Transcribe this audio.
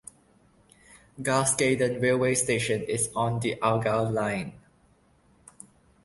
Garscadden railway station is on the Argyle Line.